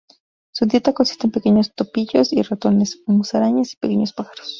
Su dieta consiste en pequeños topillos y ratones, musarañas y pequeños pájaros.